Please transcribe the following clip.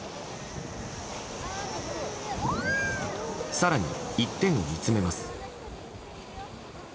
更に一点を見つめます。